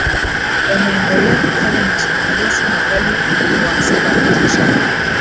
yameendelea kufanya mashambulizi makali kuwasambaratisha